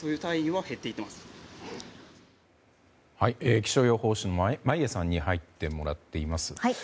気象予報士の眞家さんに入ってもらっています。